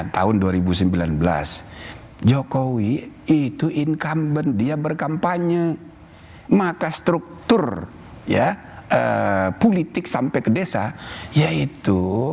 tahun dua ribu sembilan belas jokowi itu incumbent dia berkampanye maka struktur ya politik sampai ke desa yaitu